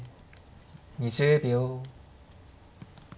２０秒。